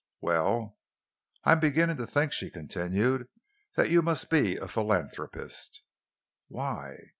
"Well?" "I am beginning to think," she continued, "that you must be a philanthropist." "Why?"